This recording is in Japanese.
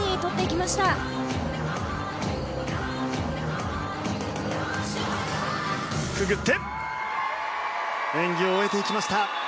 くぐって演技を終えていきました。